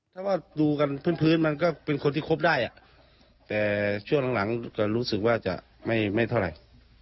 ถ้าว่าดูกันพื้นมันก็เป็นคนที่คบได้แต่ช่วงหลังจะรู้สึกว่าจะไม่เท่าไหร่